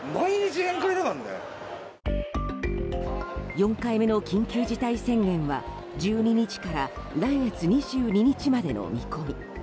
４回目の緊急事態宣言は１２日から来月２２日までの見込み。